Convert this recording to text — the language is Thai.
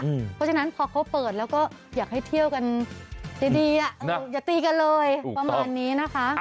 เพราะฉะนั้นพอเขาเปิดแล้วก็อยากให้เที่ยวกันดีอย่าตีกันเลยประมาณนี้นะคะ